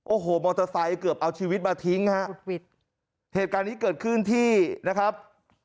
โอ้โหมอเตอร์ไซค์เกือบเอาชีวิตมาทิ้งฮะเหตุการณ์นี้เกิดขึ้นที่นะครับ